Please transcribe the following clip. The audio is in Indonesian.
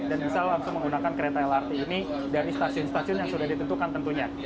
dan bisa langsung menggunakan kereta lrt ini dari stasiun stasiun yang sudah ditentukan tentunya